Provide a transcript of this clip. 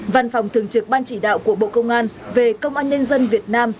văn phòng thường trực ban chỉ đạo của bộ công an về công an nhân dân việt nam